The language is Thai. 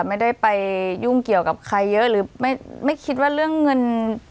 ไม่ได้ไปยุ่งเกี่ยวกับใครเยอะหรือไม่ไม่คิดว่าเรื่องเงิน